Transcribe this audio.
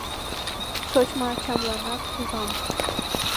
Шочмо ачамланак ужам.